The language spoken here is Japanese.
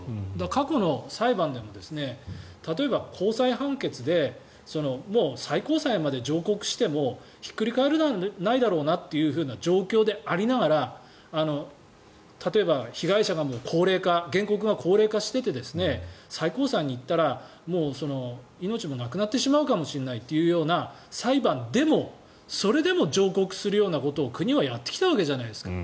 過去の裁判でも例えば、高裁判決でもう最高裁まで上告してもひっくり返らないだろうなという状況でありながら例えば、被害者が高齢化原告が高齢化していて最高裁に行ったらもう命もなくなってしまうかもしれないというような裁判でもそれでも上告するようなことを国はやってきたわけじゃないですか。